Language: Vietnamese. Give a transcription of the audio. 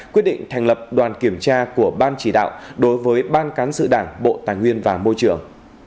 quyết định thành lập đoàn kiểm tra của ban chỉ đạo đối với ban cán sự đảng bộ tài nguyên và môi trường